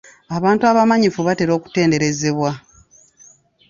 Abantu abamanyifu batera okutenderezebwa.